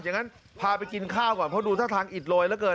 งั้นพาไปกินข้าวก่อนเพราะดูท่าทางอิดโรยเหลือเกิน